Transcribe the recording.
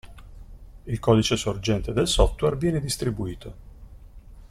Il codice sorgente del software viene distribuito.